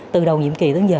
từ đầu nhiệm kỳ đến giờ